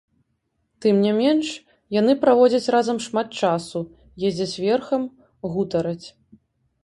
Тым не менш, яны праводзяць разам шмат часу, ездзяць верхам, гутараць.